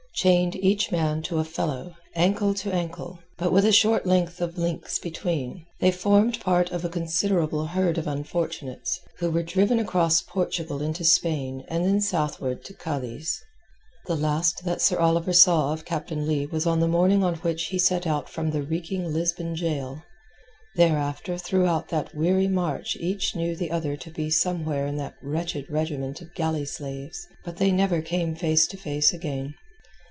Chained each man to a fellow, ankle to ankle, with but a short length of links between, they formed part of a considerable herd of unfortunates, who were driven across Portugal into Spain and then southward to Cadiz. The last that Sir Oliver saw of Captain Leigh was on the morning on which he set out from the reeking Lisbon gaol. Thereafter throughout that weary march each knew the other to be somewhere in that wretched regiment of galley slaves; but they never came face to face again.